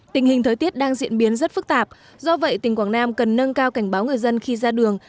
tình hình thời tiết đang diễn biến rất phức tạp do vậy tỉnh quảng nam cần nâng cao cảnh báo người dân khi ra đường